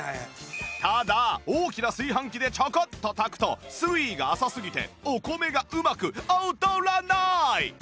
ただ大きな炊飯器でちょこっと炊くと水位が浅すぎてお米がうまく踊らなーい！